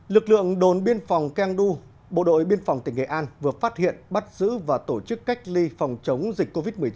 lực lượng đồn biên phòng keng du bộ đội biên phòng tỉnh nghệ an vừa phát hiện bắt giữ và tổ chức cách ly phòng chống dịch covid một mươi chín